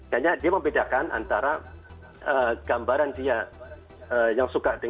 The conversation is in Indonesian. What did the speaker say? hanya dia membedakan antara gambaran dia dan gambaran mereka